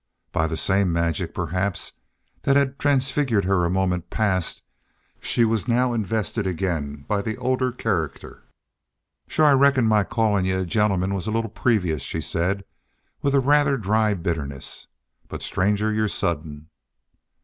By the same magic, perhaps, that had transfigured her a moment past, she was now invested again by the older character. "Shore I reckon my callin' y'u a gentleman was a little previous," she said, with a rather dry bitterness. "But, stranger, yu're sudden."